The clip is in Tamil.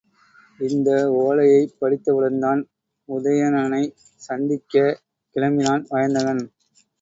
இந்த ஓலையைப் படித்தவுடன்தான் உதயணனைச் சந்திக்கக் கிளம்பினான் வயந்தகன்.